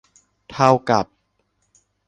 เท่ากับ